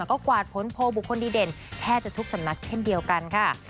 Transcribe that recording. ก็กวาดผลโพลบุคคลดีเด่นแทบจะทุกสำนักเช่นเดียวกันค่ะ